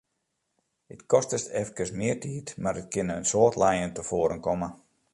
It kostet efkes mear tiid, mar it kin in soad lijen tefoaren komme.